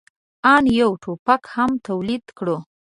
آن یو ټوپک هم تولید کړو.